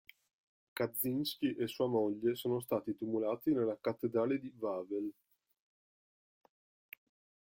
Kaczyński e sua moglie sono stati tumulati nella cattedrale di Wawel.